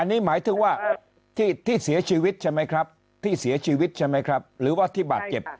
อันนี้หมายถึงว่าที่เสียชีวิตใช่ไหมครับที่เสียชีวิตใช่ไหมครับหรือว่าที่บาดเจ็บ